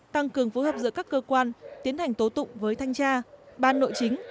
tăng cường phối hợp giữa các cơ quan tiến hành tố tụng với thanh tra ban nội chính